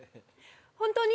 本当に？